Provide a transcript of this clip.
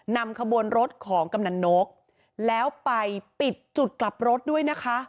นำขบวนรถของกำนันนกแล้วไปปิดจุดกลับรถด้วยนะคะ